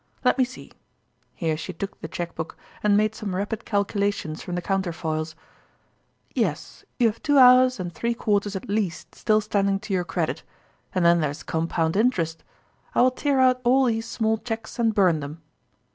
Let me see " (here she took the cheque book, and made some rapid calculations from the counterfoils) " J es > J ou have two hours and three quarters at least still standing to your credit ; and then there's the compound interest. I will tear out all these small cheques and burn them."